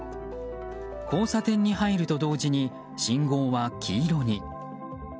交差点に入ると同時に信号は黄色に。